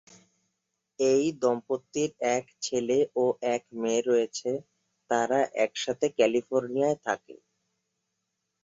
এই দম্পতির এক ছেলে ও এক মেয়ে রয়েছে, তারা একসাথে ক্যালিফোর্নিয়ায় থাকে।